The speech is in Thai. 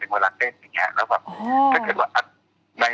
เหมือนเวลาเต้นอย่างนี้